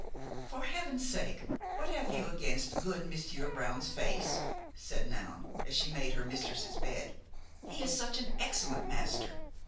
"For heaven's sake, what have you against good Monsieur Brown's face?" said Noun, as she made her mistress's bed; "he is such an excellent master!